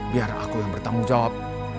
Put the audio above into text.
biar aku yang bertanggung jawab